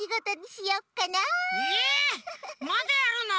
えまだやるの！？